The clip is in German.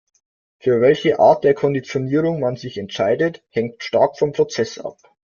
Für welche Art der Konditionierung man sich entscheidet, hängt stark vom Prozess ab.